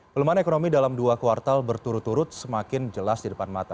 pelemahan ekonomi dalam dua kuartal berturut turut semakin jelas di depan mata